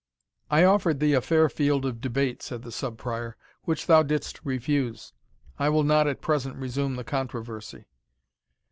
"I offered thee a fair field of debate," said the Sub Prior, "which thou didst refuse. I will not at present resume the controversy."